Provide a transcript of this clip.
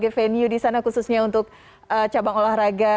saya juga ingin merasakan berbagai venue di sana khususnya untuk cabang olahraga voli ini